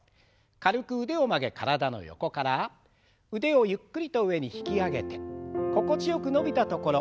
軽く腕を曲げ体の横から腕をゆっくりと上に引き上げて心地よく伸びたところ。